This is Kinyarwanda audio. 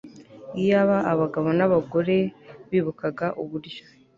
Iyaba abagabo nabagore bibukaga uburyo